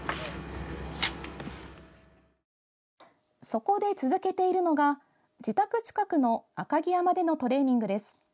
そこで、続けているのが自宅近くの赤城山でのトレーニングです。